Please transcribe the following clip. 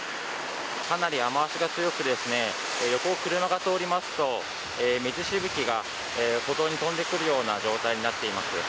かなり雨脚が強く横を車が通りますと水しぶきが歩道に飛んでくるような状態になっています。